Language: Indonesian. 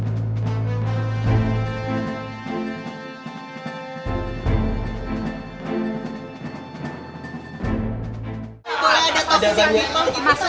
kalau ada orang orang toxic tidak boleh ada orang toxic di pemerintahan